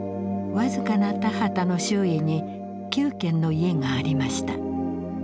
僅かな田畑の周囲に９軒の家がありました。